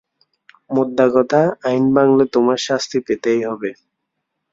মোদ্দা কথা, আইন ভাঙলে তোমার শাস্তি পেতেই হবে।